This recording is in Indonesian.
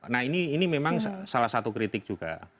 nah ini memang salah satu kritik juga